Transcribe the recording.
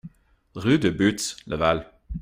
Rue de Bootz, Laval